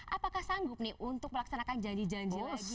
apakah sanggup nih untuk melaksanakan janji janji lagi